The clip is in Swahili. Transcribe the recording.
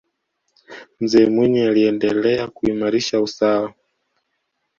mzee mwinyi aliendelea kuimarisha usawa